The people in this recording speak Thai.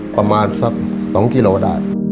ประมาณซักสองกิโลกรึเป่าได้